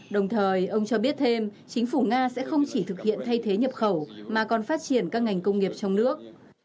đồng thời ông cho biết thêm chính phủ nga sẽ không chỉ thực hiện thay thế nhập khẩu mà còn phát triển các ngành công nghiệp trong nước